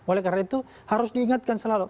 oleh karena itu harus diingatkan selalu